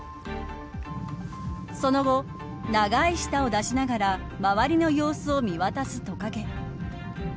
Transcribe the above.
その後、長い舌を出しながら周りの様子を見渡すトカゲ。